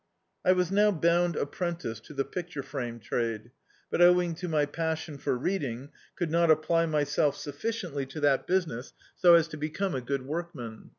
I was now bound ^prentice to the picture frame trade, but owing to my passion for reading, could not apply myself sufBciently to that business so as to become a good workman.